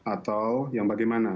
atau yang bagaimana